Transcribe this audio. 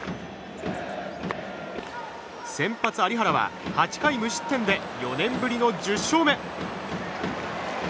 先発、有原は８回無失点で４年ぶりの１０勝目。